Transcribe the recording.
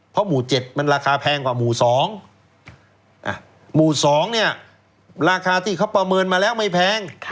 เพราะหมู่๗มันราคาแพงกว่าหมู่๒หมู่๒เนี่ยราคาที่เขาประเมินมาแล้วไม่แพง